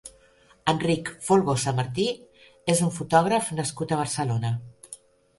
Enric Folgosa Martí és un fotògraf nascut a Barcelona.